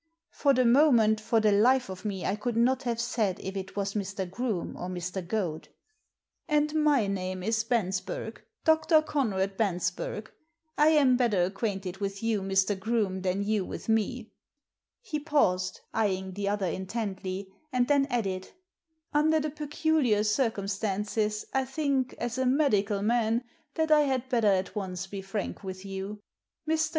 For the moment for the life of me I could not have said if it was Mr. Groome or Mr. Goad. " And my name is Bensberg — Dr. Conrad Bensberg. I am better acquainted with you, Mr. Groome, than Digitized by VjOOQIC 246 THE SEEN AND THE UNSEEN you with me. He paused, eyeing the other intently, and then added, Under the peculiar circumstances I think, as a medical man, that I had better at once be frank with you. Mr.